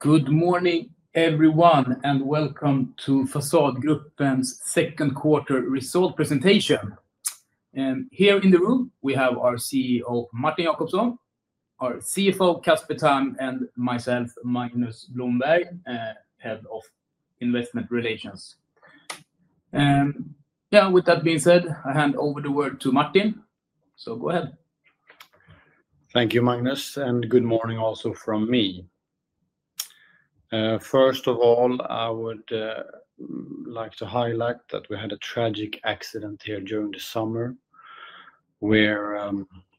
Good morning, everyone, and welcome to Fasadgruppen's second quarter result presentation. Here in the room, we have our CEO, Martin Jacobsson, our CFO, Casper Tamm, and myself, Magnus Blomberg, Head of Investment Relations. With that being said, I hand over the word to Martin. Go ahead. Thank you, Magnus, and good morning also from me. First of all, I would like to highlight that we had a tragic accident here during the summer where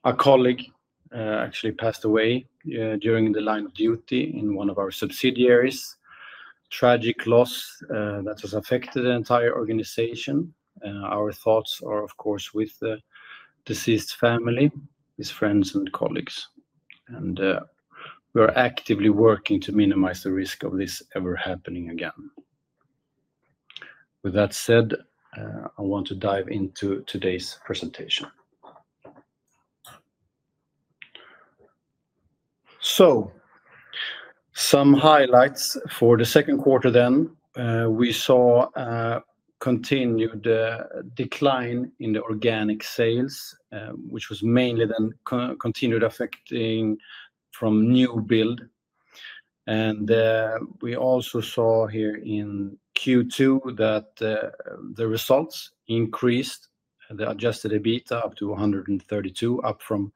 a colleague actually passed away during the line of duty in one of our subsidiaries. A tragic loss that has affected the entire organization. Our thoughts are, of course, with the deceased family, his friends, and colleagues. We're actively working to minimize the risk of this ever happening again. With that said, I want to dive into today's presentation. Some highlights for the second quarter then. We saw a continued decline in the organic sales, which was mainly then continued affecting from new build. We also saw here in Q2 that the results increased. They adjusted a bit up to 132, up from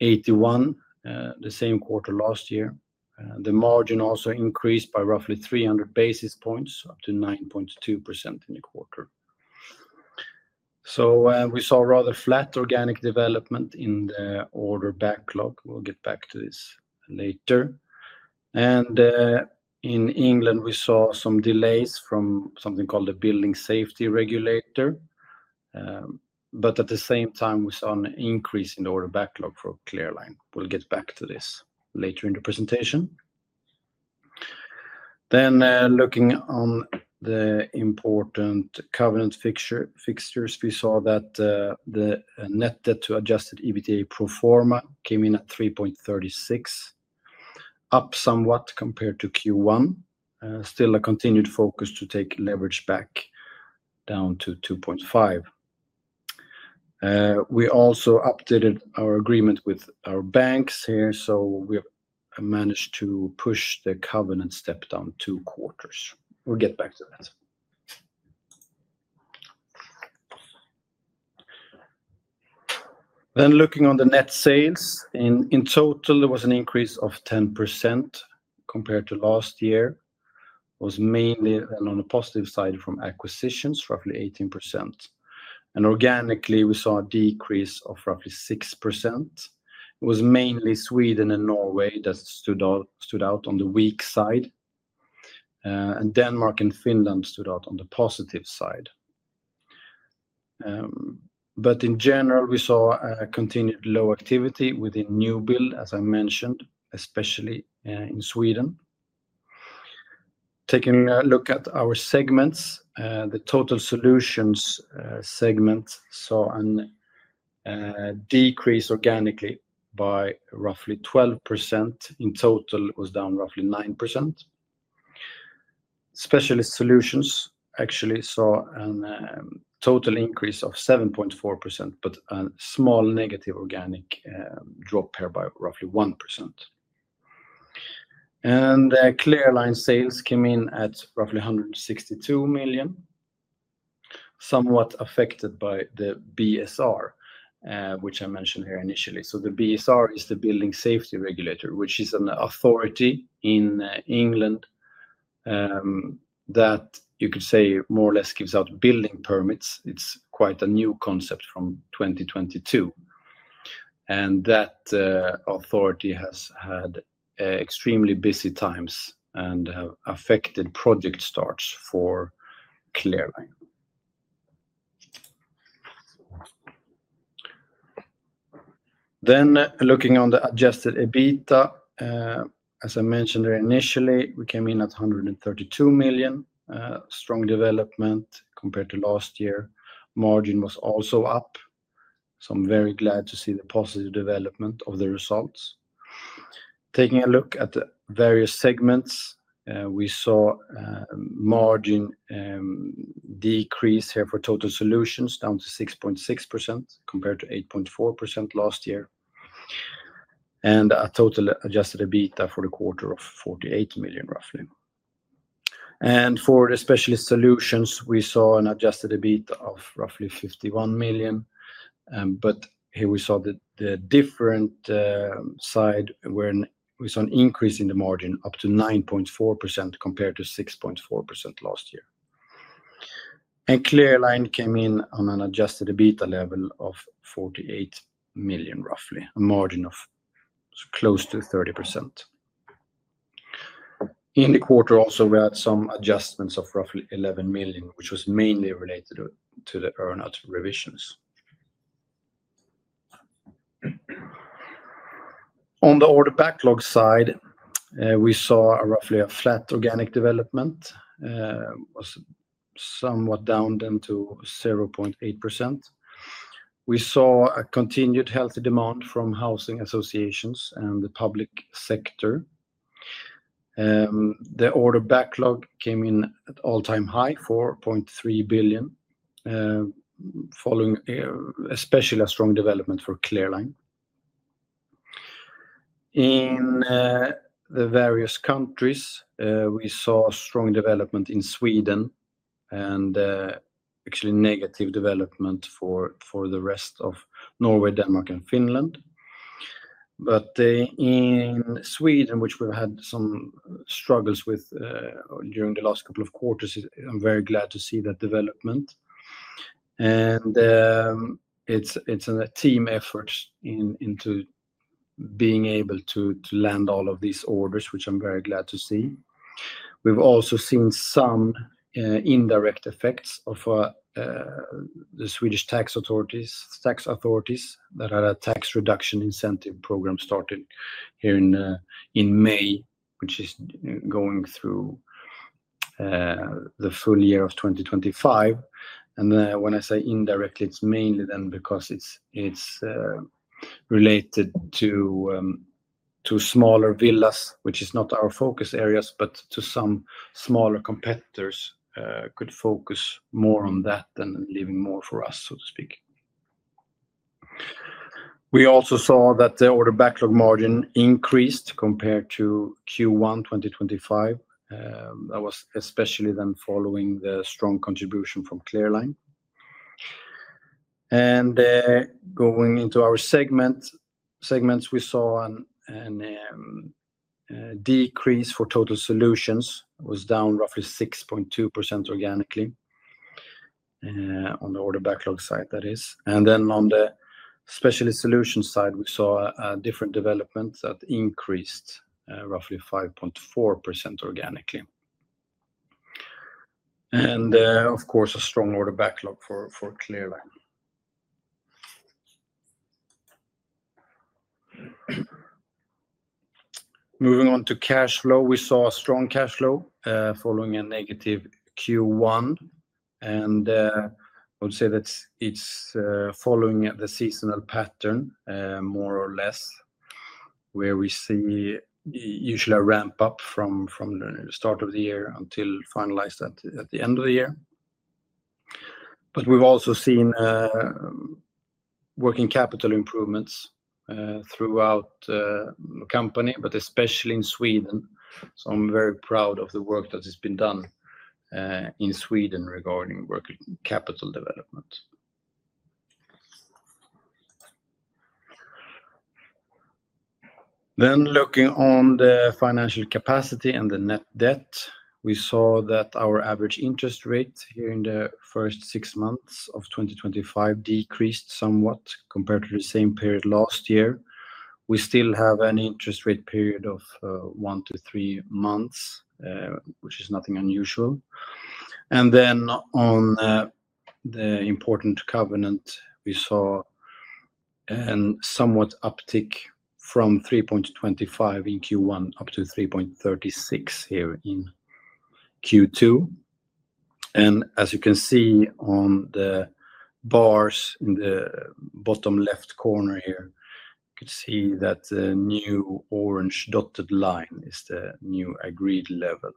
81 the same quarter last year. The margin also increased by roughly 300 basis points to 9.2% in the quarter. We saw rather flat organic development in the order backlog. We'll get back to this later. In England, we saw some delays from something called the Building Safety Regulator. At the same time, we saw an increase in the order backlog for Clearline. We'll get back to this later in the presentation. Looking on the important covenant fixtures, we saw that the net debt to adjusted EBITDA pro forma came in at 3.36, up somewhat compared to Q1. Still a continued focus to take leverage back down to 2.5. We also updated our agreement with our banks here, so we have managed to push the covenant step-down two quarters. We'll get back to that. Looking on the net sales, in total, there was an increase of 10% compared to last year. It was mainly on the positive side from acquisitions, roughly 18%. Organically, we saw a decrease of roughly 6%. It was mainly Sweden and Norway that stood out on the weak side. Denmark and Finland stood out on the positive side. In general, we saw a continued low activity within new build, as I mentioned, especially in Sweden. Taking a look at our segments, the Total Solutions segment saw a decrease organically by roughly 12%. In total, it was down roughly 9%. Specialist Solutions actually saw a total increase of 7.4%, but a small negative organic drop here by roughly 1%. Clearline sales came in at roughly 162 million, somewhat affected by the BSR, which I mentioned here initially. The BSR is the Building Safety Regulator, which is an authority in England that you could say more or less gives out building permits. It's quite a new concept from 2022. That authority has had extremely busy times and has affected project starts for Clearline. Looking at the adjusted EBITDA, as I mentioned there initially, we came in at 132 million. Strong development compared to last year. Margin was also up. I'm very glad to see the positive development of the results. Taking a look at the various segments, we saw a margin decrease here for Total Solutions down to 6.6% compared to 8.4% last year, and a total adjusted EBITDA for the quarter of 48 million, roughly. For the Specialist Solutions, we saw an adjusted EBITDA of roughly 51 million. Here we saw the different side where we saw an increase in the margin up to 9.4% compared to 6.4% last year. Clearline came in on an adjusted EBITDA level of 48 million, roughly, a margin of close to 30%. In the quarter, we had some adjustments of roughly 11 million, which was mainly related to the earnout revisions. On the order backlog side, we saw roughly a flat organic development. It was somewhat down then to 0.8%. We saw a continued healthy demand from housing associations and the public sector. The order backlog came in at an all-time high, 4.3 billion, especially a strong development for Clearline. In the various countries, we saw a strong development in Sweden and actually negative development for the rest of Norway, Denmark, and Finland. In Sweden, which we've had some struggles with during the last couple of quarters, I'm very glad to see that development. It's a team effort into being able to land all of these orders, which I'm very glad to see. We've also seen some indirect effects of the Swedish tax authority that had a tax reduction incentive program started here in May, which is going through the full year of 2025. When I say indirectly, it's mainly then because it's related to smaller villas, which is not our focus areas, but some smaller competitors could focus more on that and leave more for us, so to speak. We also saw that the order backlog margin increased compared to Q1 2025. That was especially then following the strong contribution from Clearline. Going into our segments, we saw a decrease for Total Solutions. It was down roughly 6.2% organically on the order backlog side. On the Specialist Solutions side, we saw a different development that increased roughly 5.4% organically. Of course, a strong order backlog for Clearline. Moving on to cash flow, we saw a strong cash flow following a negative Q1. I would say that it's following the seasonal pattern, more or less, where we see usually a ramp up from the start of the year until finalized at the end of the year. We've also seen working capital improvements throughout the company, especially in Sweden. I'm very proud of the work that has been done in Sweden regarding working capital development. Looking at the financial capacity and the net debt, we saw that our average interest rate here in the first six months of 2025 decreased somewhat compared to the same period last year. We still have an interest rate period of one to three months, which is nothing unusual. On the important covenant, we saw a somewhat uptick from 3.25 in Q1 up to 3.36 here in Q2. As you can see on the bars in the bottom left corner here, the new orange dotted line is the new agreed level,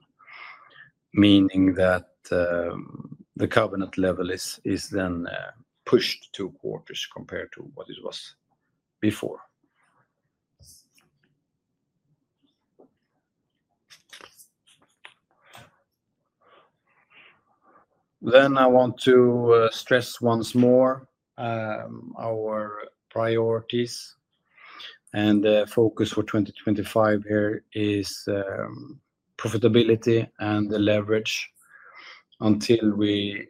meaning that the covenant level is then pushed two quarters compared to what it was before. I want to stress once more our priorities. The focus for 2025 here is profitability and the leverage until we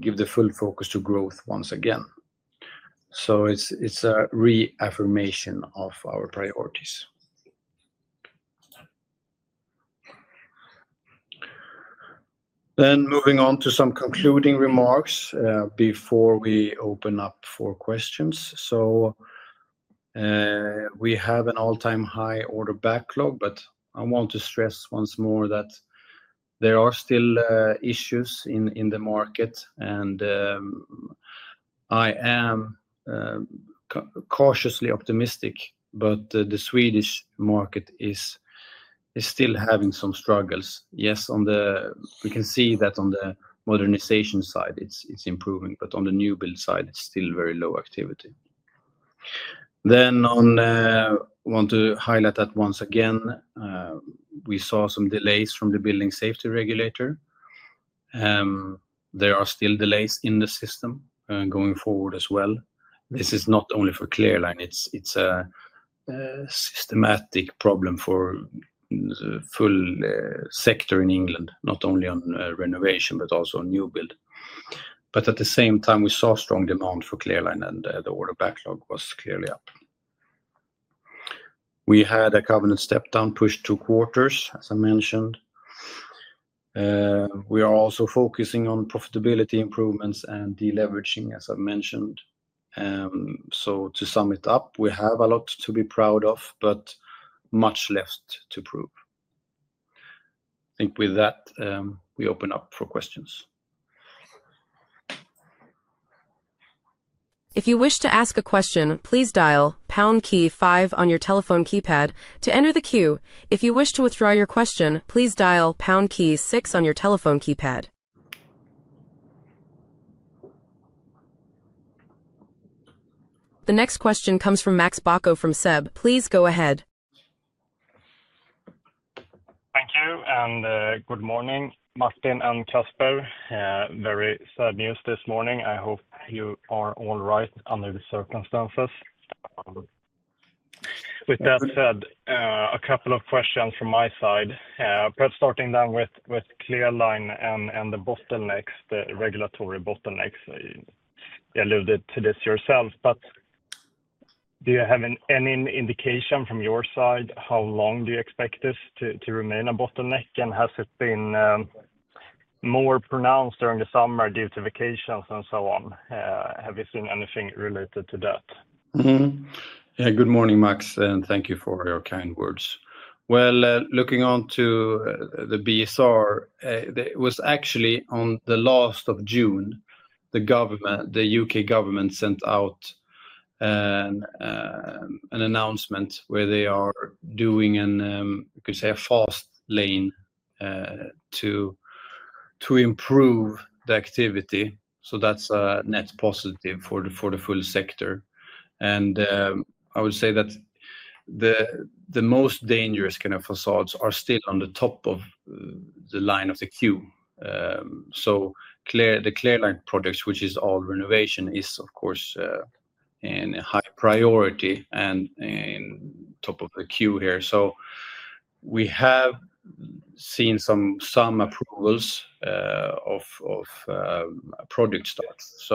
give the full focus to growth once again. It's a reaffirmation of our priorities. Moving on to some concluding remarks before we open up for questions. We have an all-time high order backlog, but I want to stress once more that there are still issues in the market. I am cautiously optimistic, but the Swedish market is still having some struggles. Yes, we can see that on the modernization side, it's improving, but on the new build side, it's still very low activity. I want to highlight that once again, we saw some delays from the Building Safety Regulator. There are still delays in the system going forward as well. This is not only for Clearline. It's a systematic problem for the full sector in England, not only on renovation, but also on new build. At the same time, we saw strong demand for Clearline, and the order backlog was clearly up. We had a covenant step-down pushed two quarters, as I mentioned. We are also focusing on profitability improvements and deleveraging, as I've mentioned. To sum it up, we have a lot to be proud of, but much left to prove. I think with that, we open up for questions. If you wish to ask a question, please dial pound key five on your telephone keypad to enter the queue. If you wish to withdraw your question, please dial pound key six on your telephone keypad. The next question comes from Max Bacco from SEB. Please go ahead. Thank you, and good morning, Martin and Casper. Very sad news this morning. I hope you are all right under the circumstances. With that said, a couple of questions from my side. Starting with Clearline and the bottlenecks, the regulatory bottlenecks, you alluded to this yourselves, do you have any indication from your side how long you expect this to remain a bottleneck? Has it been more pronounced during the summer due to vacations and so on? Have you seen anything related to that? Good morning, Max, and thank you for your kind words. Looking on to the BSR, it was actually on the last of June, the U.K. government sent out an announcement where they are doing a fast lane to improve the activity. That's a net positive for the full sector. I would say that the most dangerous kind of facades are still on the top of the line of the queue. The Clearline projects, which is all renovation, is of course a high priority and in the top of the queue here. We have seen some approvals of project starts.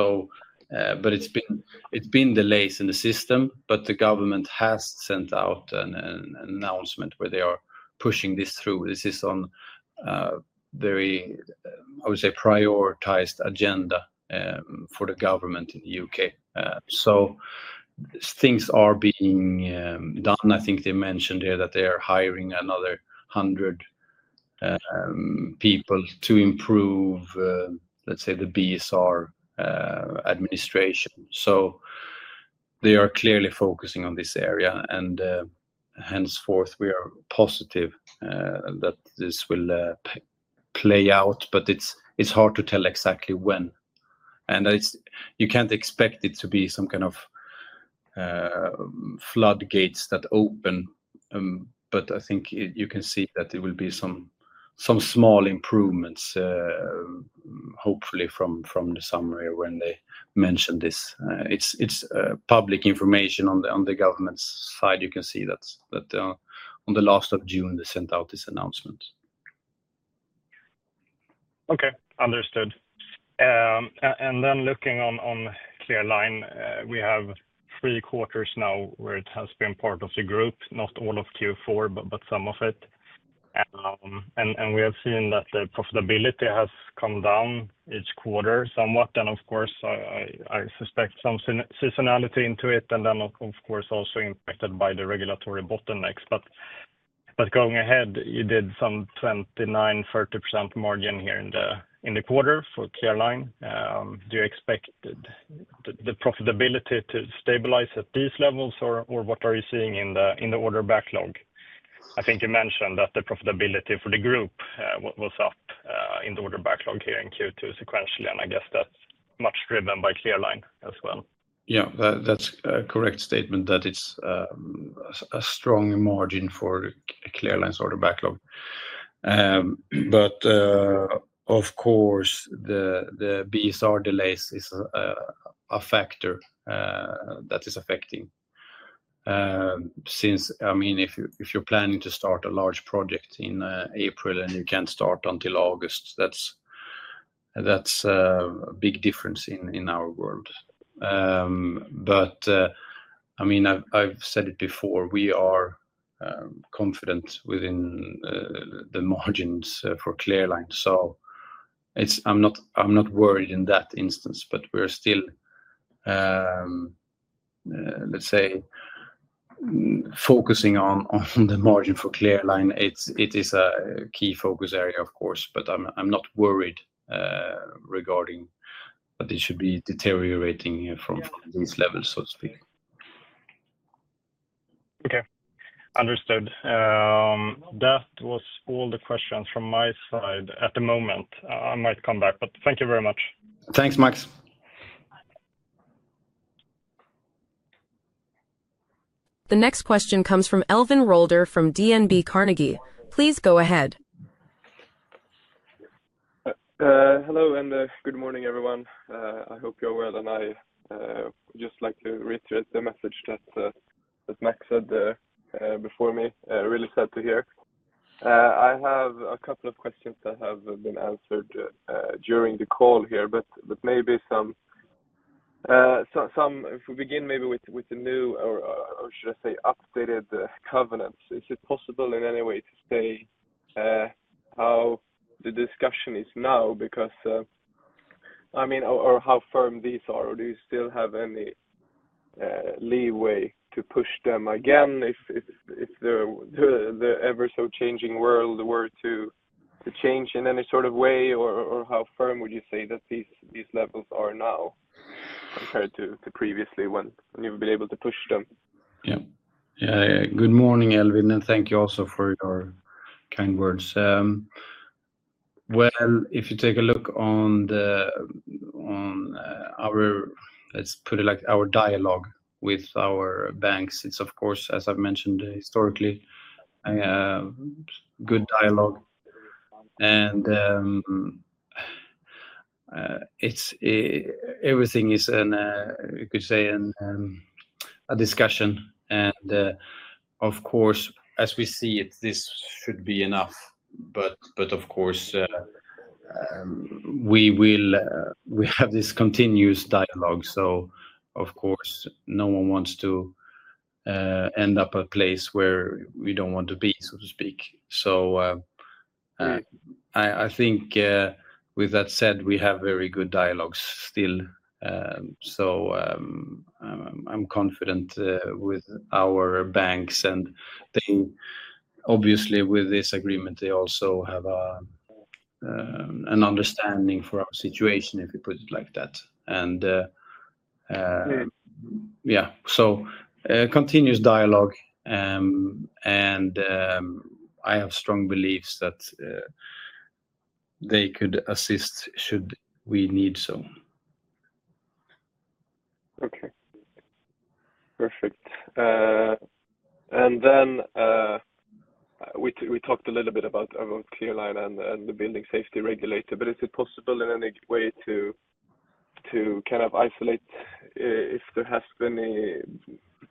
It's been delays in the system, but the government has sent out an announcement where they are pushing this through. This is on a very, I would say, prioritized agenda for the government in the U.K. Things are being done. I think they mentioned there that they are hiring another 100 people to improve, let's say, the BSR administration. They are clearly focusing on this area. Hence forth, we are positive that this will play out, but it's hard to tell exactly when. You can't expect it to be some kind of floodgates that open. I think you can see that there will be some small improvements, hopefully from the summary when they mentioned this. It's public information on the government's side. You can see that on the last of June, they sent out this announcement. Okay, understood. Looking at Clearline, we have three quarters now where it has been part of the group, not all of Q4, but some of it. We have seen that the profitability has come down each quarter somewhat. I suspect some seasonality into it, and also impacted by the regulatory bottlenecks. Going ahead, you did some 29%, 30% margin here in the quarter for Clearline. Do you expect the profitability to stabilize at these levels, or what are you seeing in the order backlog? I think you mentioned that the profitability for the group was up in the order backlog here in Q2 sequentially, and I guess that's much driven by Clearline as well. Yeah, that's a correct statement that it's a strong margin for Clearline's order backlog. Of course, the BSR delays are a factor that is affecting. Since, I mean, if you're planning to start a large project in April and you can't start until August, that's a big difference in our world. I've said it before, we are confident within the margins for Clearline. I'm not worried in that instance, but we're still, let's say, focusing on the margin for Clearline. It is a key focus area, of course, but I'm not worried regarding that they should be deteriorating from these levels, so to speak. Okay, understood. That was all the questions from my side at the moment. I might come back, but thank you very much. Thanks, Max. The next question comes from Elvin Rolder from DNB Carnegie. Please go ahead. Hello and good morning, everyone. I hope you're well, and I would just like to reiterate the message that Max said before me. Really sad to hear. I have a couple of questions that have been answered during the call here, but maybe some... If we begin maybe with the new, or should I say updated covenants, is it possible in any way to say how the discussion is now? I mean, or how firm these are, or do you still have any leeway to push them again if the ever-so-changing world were to change in any sort of way, or how firm would you say that these levels are now compared to previously when you've been able to push them? Yeah. Good morning, Elvin, and thank you also for your kind words. If you take a look at our, let's put it like, our dialogue with our banks, it's, of course, as I've mentioned historically, a good dialogue. Everything is, you could say, a discussion. As we see it, this should be enough. Of course, we have this continuous dialogue. No one wants to end up at a place where we don't want to be, so to speak. I think with that said, we have very good dialogues still. I'm confident with our banks, and they obviously, with this agreement, also have an understanding for our situation, if you put it like that. Continuous dialogue, and I have strong beliefs that they could assist should we need so. Okay. Perfect. We talked a little bit about Clearline and the Building Safety Regulator, but is it possible in any way to kind of isolate if there has been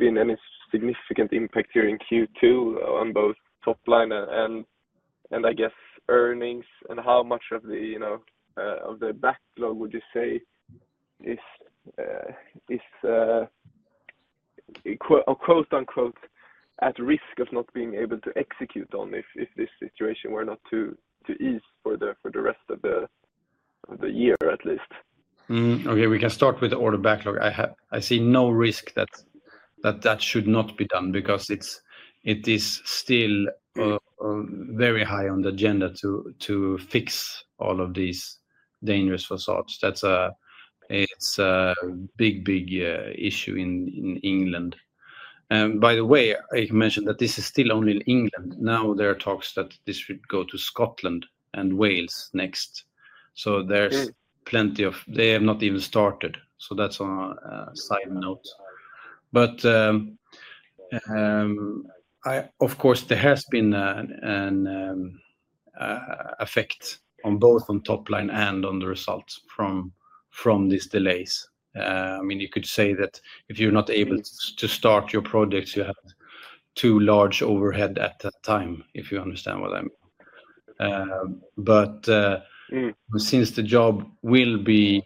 any significant impact here in Q2 on both top line and, I guess, earnings? How much of the backlog would you say is "at risk of not being able to execute on" if this situation were not to ease for the rest of the year, at least? Okay, we can start with the order backlog. I see no risk that that should not be done because it is still very high on the agenda to fix all of these dangerous facades. That's a big, big issue in England. By the way, I can mention that this is still only in England. Now there are talks that this should go to Scotland and Wales next. There's plenty of... They have not even started. That's on a side note. Of course, there has been an effect on both on top line and on the results from these delays. I mean, you could say that if you're not able to start your projects, you have too large overhead at that time, if you understand what I mean. Since the job will be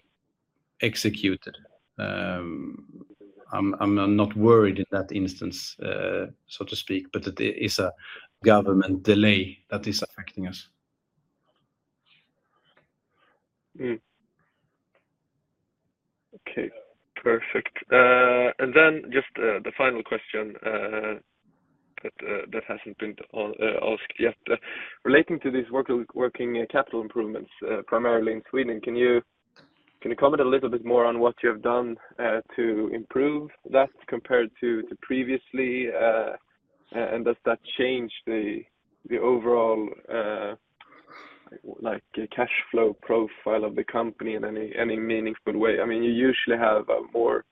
executed, I'm not worried in that instance, so to speak, but it is a government delay that is affecting us. Okay, perfect. Just the final question that hasn't been asked yet. Relating to these working capital improvements, primarily in Sweden, can you comment a little bit more on what you have done to improve that compared to previously? Does that change the overall cash flow profile of the company in any meaningful way? I mean, you usually have a more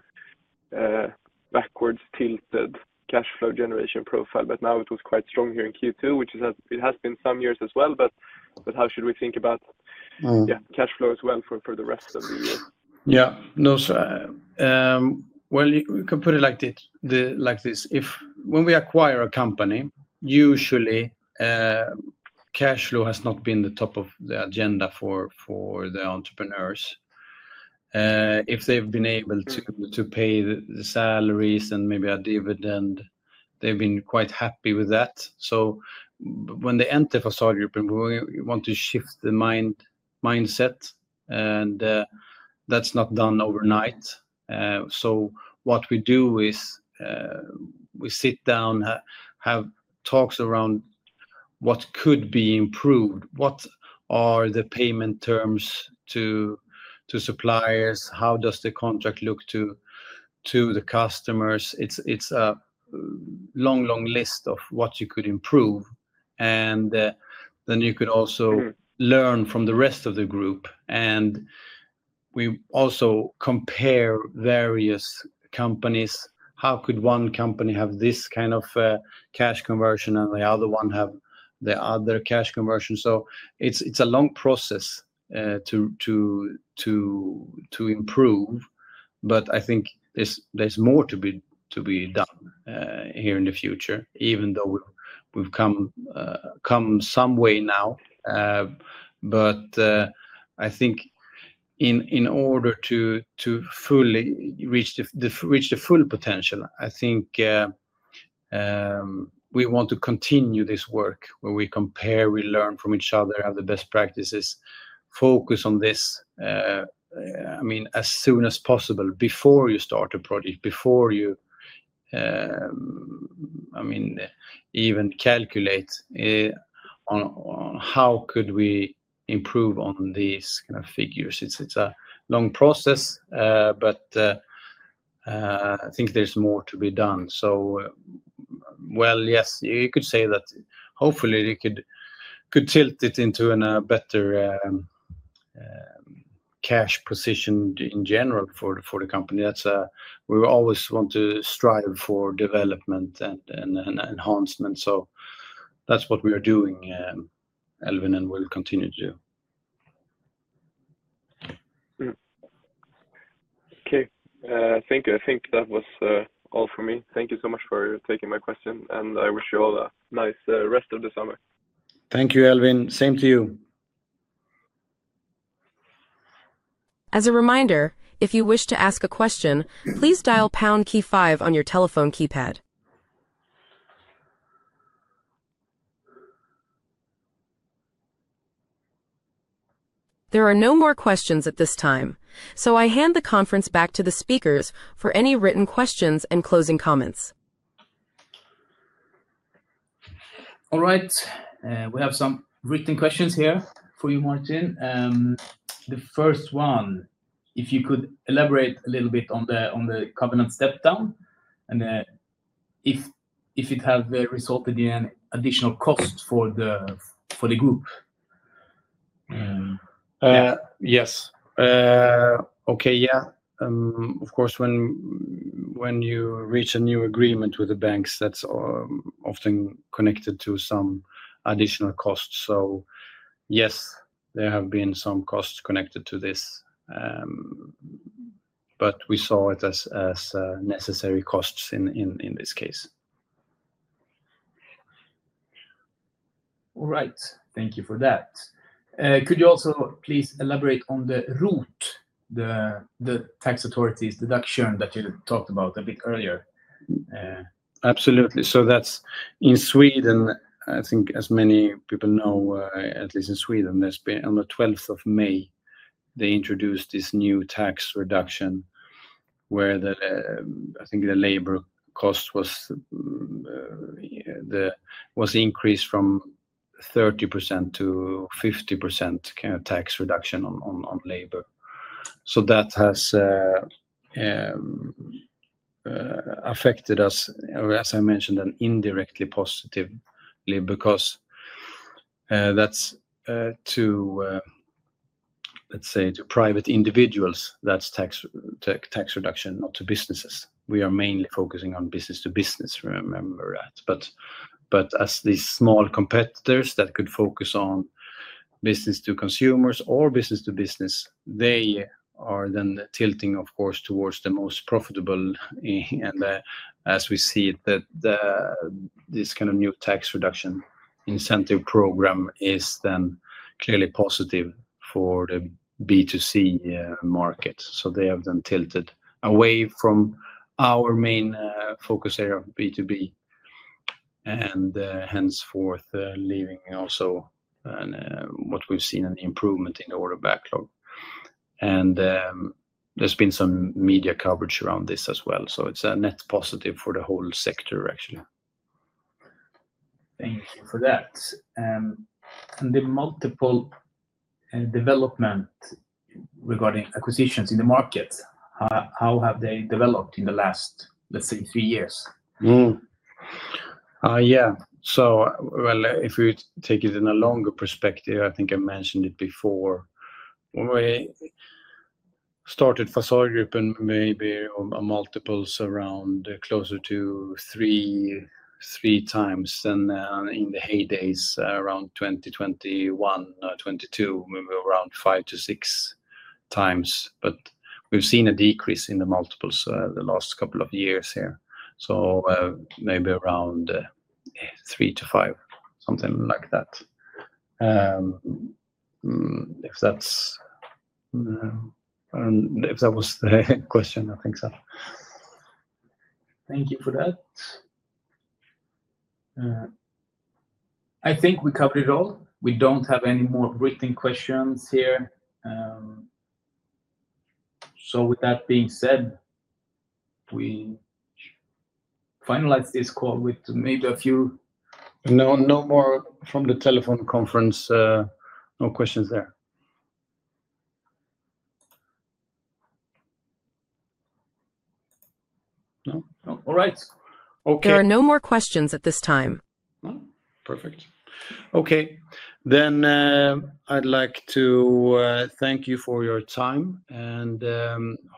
backwards tilted cash flow generation profile, but now it was quite strong here in Q2, which is as it has been some years as well. How should we think about cash flow as well for the rest of the year? You can put it like this. When we acquire a company, usually cash flow has not been the top of the agenda for the entrepreneurs. If they've been able to pay the salaries and maybe a dividend, they've been quite happy with that. When they enter Fasadgruppen, we want to shift the mindset, and that's not done overnight. What we do is we sit down, have talks around what could be improved. What are the payment terms to suppliers? How does the contract look to the customers? It's a long, long list of what you could improve. You could also learn from the rest of the group. We also compare various companies. How could one company have this kind of cash conversion and the other one have the other cash conversion? It's a long process to improve. I think there's more to be done here in the future, even though we've come some way now. I think in order to fully reach the full potential, we want to continue this work where we compare, we learn from each other, have the best practices, focus on this as soon as possible before you start a project, before you even calculate on how could we improve on these kind of figures. It's a long process, but I think there's more to be done. Yes, you could say that hopefully you could tilt it into a better cash position in general for the company. We always want to strive for development and enhancement. That's what we are doing, Elvin, and we'll continue to do. Okay, thank you. I think that was all for me. Thank you so much for taking my question, and I wish you all a nice rest of the summer. Thank you, Elvin. Same to you. As a reminder, if you wish to ask a question, please dial pound key five on your telephone keypad. There are no more questions at this time, so I hand the conference back to the speakers for any written questions and closing comments. All right. We have some written questions here for you, Martin. The first one, if you could elaborate a little bit on the covenant step-down and if it has resulted in an additional cost for the group. Yes. Okay, yeah. Of course, when you reach a new agreement with the banks, that's often connected to some additional costs. Yes, there have been some costs connected to this, but we saw it as necessary costs in this case. All right. Thank you for that. Could you also please elaborate on the route, the tax authorities' deduction that you talked about a bit earlier? Absolutely. That's in Sweden, I think as many people know, at least in Sweden, on the 12th of May, they introduced this new tax reduction where I think the labor cost was increased from 30% to 50% kind of tax reduction on labor. That has affected us, as I mentioned, indirectly positively because that's to, let's say, to private individuals, that's tax reduction to businesses. We are mainly focusing on business-to-business, remember that. As these small competitors that could focus on business-to-consumers or business-to-business, they are then tilting, of course, towards the most profitable. As we see it, this kind of new tax reduction incentive program is then clearly positive for the B2C market. They have then tilted away from our main focus area, B2B, and henceforth leaving also what we've seen in the improvement in the order backlog. There has been some media coverage around this as well. It's a net positive for the whole sector, actually. Thank you for that. The multiple developments regarding acquisitions in the market, how have they developed in the last, let's say, three years? If we take it in a longer perspective, I think I mentioned it before. When we started Fasadgruppen, maybe our multiples were around closer to [three times. In the heydays, around 2021, 2022, maybe around five to six times]. We've seen a decrease in the multiples the last couple of years here. Maybe around three to five, something like that. If that was the question, I think so. Thank you for that. I think we covered it all. We don't have any more written questions here. With that being said, we finalize this call with maybe a few... No, no more from the telephone conference. No questions there. No? All right. Okay. There are no more questions at this time. No, perfect. Okay. I'd like to thank you for your time and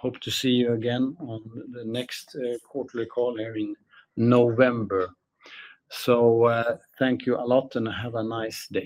hope to see you again on the next quarterly call here in November. Thank you a lot and have a nice day.